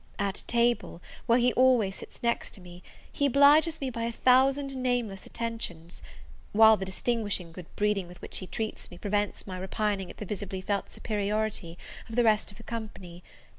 At table, where he always sits next to me, he obliges me by a thousand nameless attentions; while the distinguishing good breeding with which he treats me, prevents my repining at the visibly felt superiority of the rest of the company.